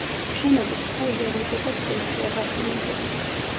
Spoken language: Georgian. შენობის ფოიე როკოკოს სტილშია გაფორმებული.